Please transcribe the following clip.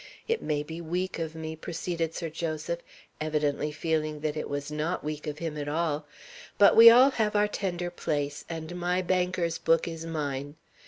It may be weak of me," proceeded Sir Joseph, evidently feeling that it was not weak of him at all, "but we all have our tender place, and my Banker's Book is mine.